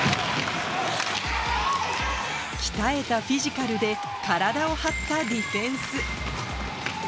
鍛えたフィジカルで、体を張ったディフェンス。